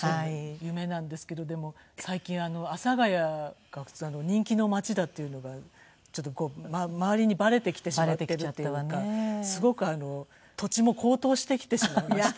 夢なんですけどでも最近阿佐ヶ谷が人気の街だっていうのが周りにバレてきてしまっているっていうかすごく土地も高騰してきてしまいまして。